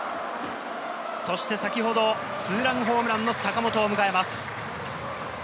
そして先ほどツーランホームランの坂本を迎えます。